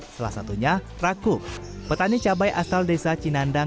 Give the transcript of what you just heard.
salah satunya raku petani cabai asal desa cinandang